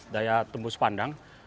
daya tembus pandang